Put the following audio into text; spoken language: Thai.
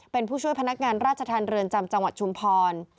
เป็นผู้ช่วยพนักงานราชธรรมเรือนจำจังหวัดชุมพร